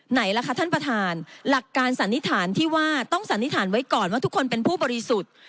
ไหนล่ะคะท่านประธานหลักการสันนิษฐานที่ว่าต้องสันนิษฐานไว้ก่อนว่าทุกคนเป็นผู้บริสุทธิ์